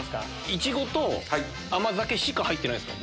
イチゴと甘酒しか入ってないんすか？